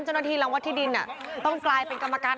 เจ้าหน้าที่รังวัดที่ดินต้องกลายเป็นกรรมการ